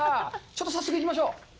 ちょっと早速行きましょう。